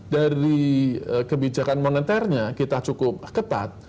dari kebijakan moneternya kita cukup ketat